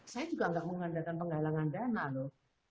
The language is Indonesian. saya juga nggak mengandalkan penggalangan dana loh